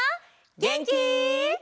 げんき？